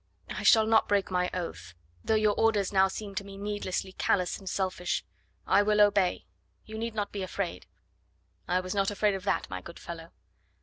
I shall not break my oath, though your orders now seem to me needlessly callous and selfish.... I will obey... you need not be afraid." "I was not afraid of that, my good fellow."